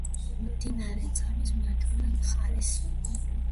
მდინარე ძამის მარჯვენა მხარეს.